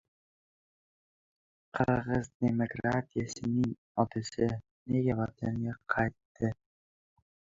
"Qirg‘iz demokratiyasining otasi" nega vataniga qaytdi?